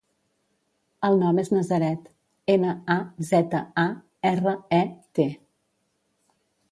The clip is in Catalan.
El nom és Nazaret: ena, a, zeta, a, erra, e, te.